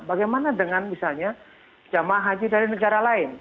bagaimana dengan misalnya jemaah haji dari negara lain